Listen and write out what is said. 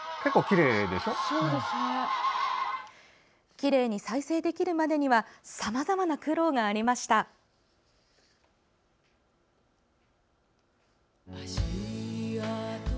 きれいに再生できるまでにはさまざまな苦労がありました。